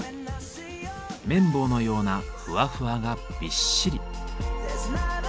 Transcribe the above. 綿棒のようなふわふわがびっしり。